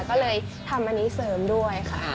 ก็เลยทำอันนี้เสริมด้วยค่ะ